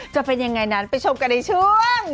จะเป็นยังไงนั้นไปชมกันในช่วง